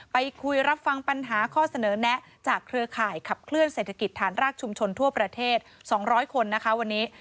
ไปคุยรับฟังปัญหาข้อเสนอแนะจากเครือข่ายขับเคลื่อนเศรษฐกิจฐานรากชุมชนทั่วประเทศ๒๐๐คนนะคะวันนี้